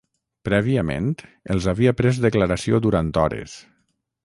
Prèviament, els havia pres declaració durant hores.